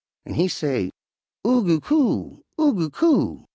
An' he say, 'Oo goo coo, Oo goo coo.'